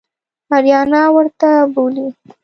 آریانا ورته بولي.